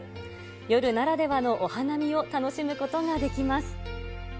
夜ならではのお花見を楽しむことができます。